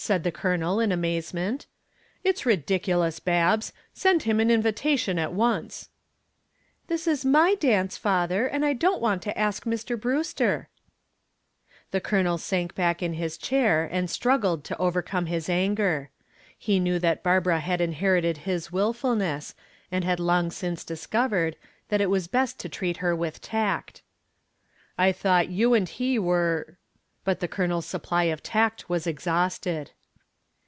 said the Colonel in amazement. "It's ridiculous, Babs, send him an invitation at once." "This is my dance, father, and I don't want to ask Mr. Brewster." The Colonel sank back in his chair and struggled to overcome his anger. He knew that Barbara had inherited his willfulness, and had long since discovered that it was best to treat her with tact. "I thought you and he were " but the Colonel's supply of tact was exhausted.